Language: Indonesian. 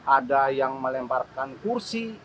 ada yang melemparkan kursi